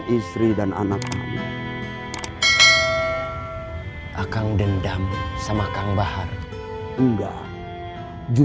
i wish i had more untuk kengetuhanmu